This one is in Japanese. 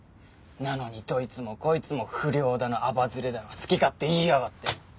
なのにどいつもこいつも不良だのアバズレだの好き勝手言いやがって！